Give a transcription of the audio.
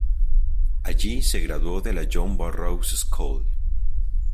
Allí, se graduó de la John Burroughs School.